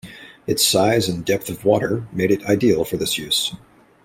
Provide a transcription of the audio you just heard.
Its size and depth of water made it ideal for this use.